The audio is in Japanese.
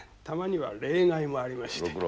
たまには例外もありまして。